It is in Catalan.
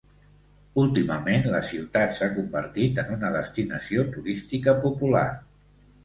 Últimament, la ciutat s'ha convertit en una destinació turística popular.